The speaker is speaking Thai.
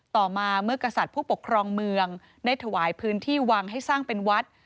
ต่อมาเมื่อกษัตริย์ผู้ปกครองเมืองได้ถวายพื้นที่วังให้สร้างเป็นวัด